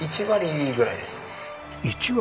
１割？